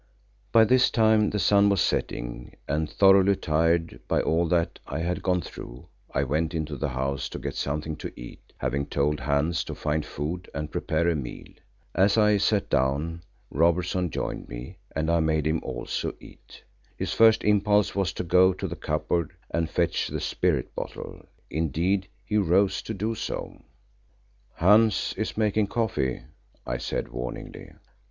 By this time the sun was setting and thoroughly tired by all that I had gone through, I went into the house to get something to eat, having told Hans to find food and prepare a meal. As I sat down Robertson joined me and I made him also eat. His first impulse was to go to the cupboard and fetch the spirit bottle; indeed, he rose to do so. "Hans is making coffee," I said warningly.